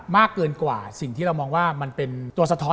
เกินกว่าสิ่งที่เรามองว่ามันเป็นตัวสะท้อน